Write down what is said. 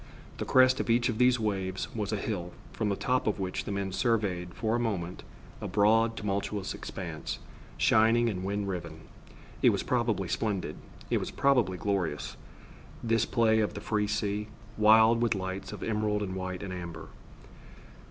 The crest of each of these waves was a hill, from the top of which the men surveyed, for a moment, a broad tumultuous expanse, shining and wind riven. It was probably splendid. It was probably glorious, this play of the free sea, wild with lights of emerald and white and amber.